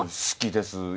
好きです。